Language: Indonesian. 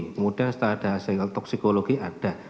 kemudian setelah ada hasil toksikologi ada